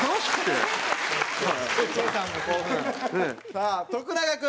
さあ徳永君！